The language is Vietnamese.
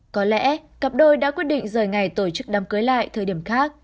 có lẽ cặp đôi đã quyết định rời ngày tổ chức đám cưới lại thời điểm khác